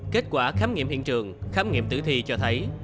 kết quả khám nghiệm hiện trường khám nghiệm tử thi cho thấy